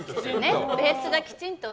ベースがきちんと。